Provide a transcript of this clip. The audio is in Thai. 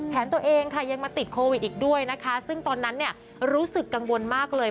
ตัวเองค่ะยังมาติดโควิดอีกด้วยนะคะซึ่งตอนนั้นเนี่ยรู้สึกกังวลมากเลย